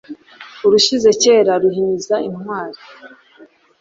Urushyize kera ruhinyuza intwari.